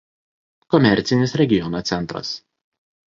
Komercinis regiono centras.